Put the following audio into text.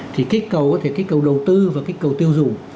thì kích cầu thì kích cầu đầu tư và kích cầu tiêu dùng